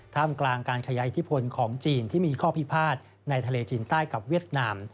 มกลางการขยายอิทธิพลของจีนที่มีข้อพิพาทในทะเลจีนใต้กับเวียดนาม